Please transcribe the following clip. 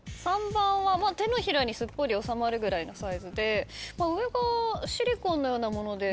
３番は手のひらにすっぽり収まるぐらいのサイズで上がシリコンのようなもので。